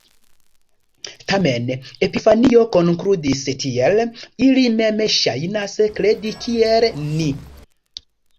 Tamen, Epifanio konkludis tiel: "“Ili mem ŝajnas kredi kiel ni”".